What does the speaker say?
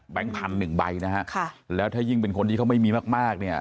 แบงค์พันธุ์๑ใบนะฮะแล้วถ้ายิ่งเป็นคนที่เขาไม่มีมากเนี่ย